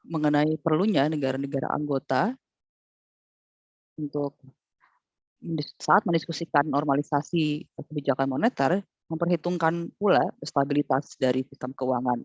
mengenai perlunya negara negara anggota untuk saat mendiskusikan normalisasi kebijakan moneter memperhitungkan pula stabilitas dari sistem keuangan